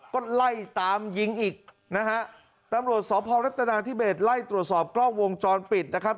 ก็ไล่ตามยิงอีกนะฮะตำรวจสพรัฐนาธิเบสไล่ตรวจสอบกล้องวงจรปิดนะครับ